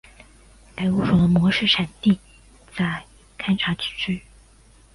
该物种的模式产地在堪察加。